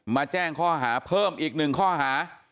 มาแจ้งข้อหาเพิ่มอีกหนึ่งข้อหา